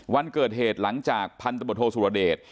วันเกิดเหตุหลังจากพันธบทโทสุรเดช